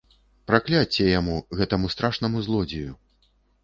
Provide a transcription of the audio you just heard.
Пракляцце яму, гэтаму страшнаму злодзею!